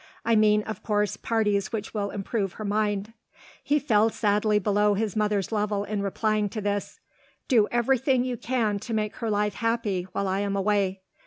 I mean, of course, parties which will improve her mind." He fell sadly below his mother's level in replying to this. "Do everything you can to make her life happy while I am away."